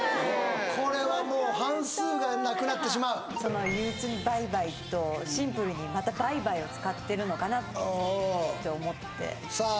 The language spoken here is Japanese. これはもう半数がなくなってしまう「憂鬱にバイバイ」とシンプルにまた「バイバイ」を使ってるのかなって思ってさあ